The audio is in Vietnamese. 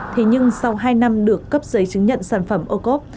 thế nhưng sau hai năm được cấp giấy chứng nhận sản phẩm ô cốp